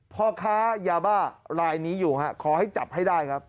พ่อค้ายาบ้าลายนี้อยู่ฮะขอให้จับให้ได้ครับ